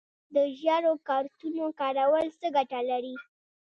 د ژیړو کارتونو کارول څه ګټه لري؟